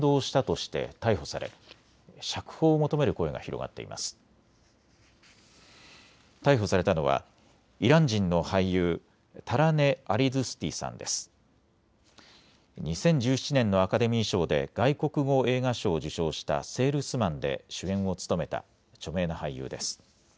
２０１７年のアカデミー賞で外国語映画賞を受賞したセールスマンで主演を務めた著名な俳優です。